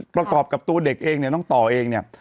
ประกอบกับตัวเด็กเองเนี่ยน้องต่อเองเนี่ย